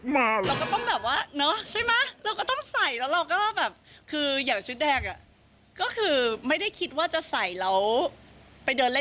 มันธรรมดาเหรอ